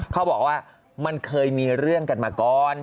เขาบอกว่ามันเคยมีเรื่องกันมาก่อน